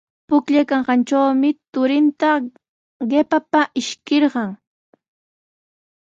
Pukllaykaayanqantrawmi turinta qaqapa ishkichirqan.